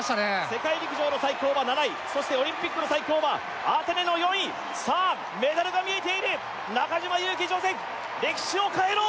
世界陸上の最高は７位そしてオリンピックの最高はアテネの４位さあメダルが見えている中島佑気ジョセフ歴史を変えろ！